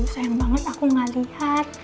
sayang banget aku gak lihat